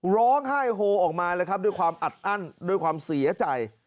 ร้องไห้โฮออกมาเลยครับด้วยความอัดอั้นด้วยความเสียใจ